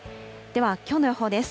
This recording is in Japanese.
では、きょうの予報です。